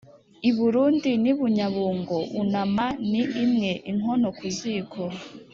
I Burundi n'i Bunyabungo unama ni imwe-Inkono ku ziko.